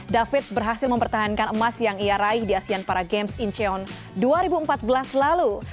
david berhasil mempertahankan emas yang ia raih di asean para games incheon dua ribu empat belas lalu